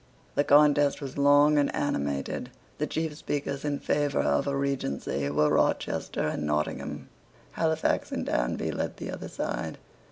The contest was long and animated. The chief speakers in favour of a Regency were Rochester and Nottingham. Halifax and Danby led the other side.